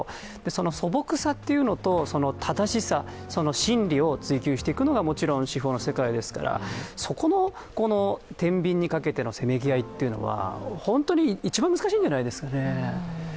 その素朴さというのと正しさ、真理を追究していくのがもちろん司法の世界ですからそこのてんびんにかけてのせめぎ合いっていうのは本当に一番難しいんじゃないですかね。